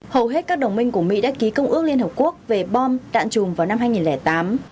hầu hết các đồng minh của mỹ đã ký công ước liên hợp quốc về bom đạn chùm vào năm hai nghìn tám